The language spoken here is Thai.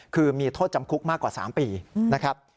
คือมีโทษจำคุกมากกว่า๓ปีนะครับ